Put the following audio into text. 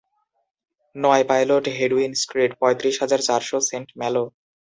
নয় পাইলট হেডুইন স্ট্রিট, পঁয়ত্রিশ হাজার চারশ সেন্ট-ম্যালো